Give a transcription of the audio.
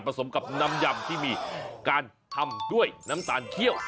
สมกับน้ำยำที่มีการทำด้วยน้ำตาลเขี้ยว